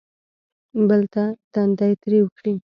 بل ته تندی تریو کړي.